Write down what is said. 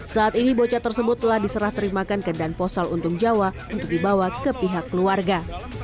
saat ini bocah tersebut telah diserah terimakan ke danposal untung jawa untuk dibawa ke pihak keluarga